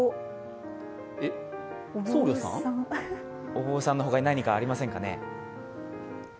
お坊さんの他に、何かありませんかね？